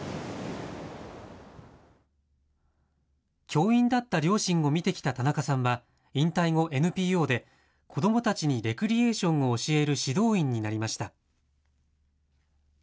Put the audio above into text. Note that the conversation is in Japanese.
教員だった両親を見てきた田中さんは、引退後、ＮＰＯで子どもたちにレクリエーションを教える指導員になりました。